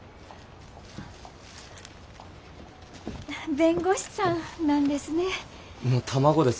弁護士さんなんですね。の卵です。